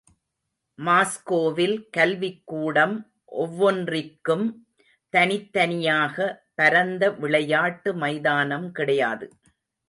மாஸ்கோவில் கல்விக் கூடம் ஒவ்வொன்றிற்கும் தனித் தனியாக பரந்த விளையாட்டு மைதானம் கிடையாது.